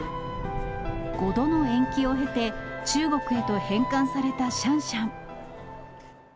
５度の延期を経て、中国へと返還されたシャンシャン。